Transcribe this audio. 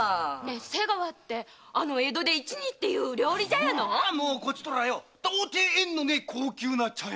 “瀬川”って江戸で一・二っていう料理茶屋の⁉こちとら到底縁のねえ高級な茶屋よ！